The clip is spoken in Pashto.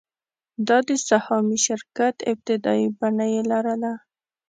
دا د سهامي شرکت ابتدايي بڼه یې لرله.